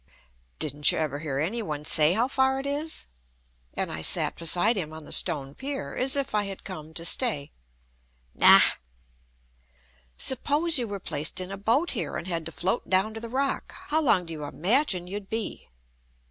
"Didn't you ever hear any one say how far it is?" and I sat beside him on the stone pier, as if I had come to stay. "Nah!" "Suppose you were placed in a boat here and had to float down to the Rock, how long do you imagine you'd be?"